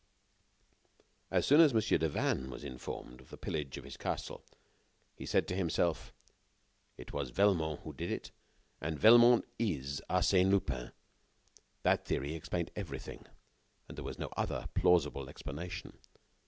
As soon as Mon. Devanne was informed of the pillage of his castle, he said to himself: It was Velmont who did it, and Velmont is Arsène Lupin. That theory explained everything, and there was no other plausible explanation.